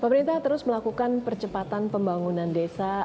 pemerintah terus melakukan percepatan pembangunan desa